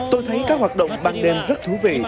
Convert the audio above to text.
tôi thấy các hoạt động ban đêm rất thú vị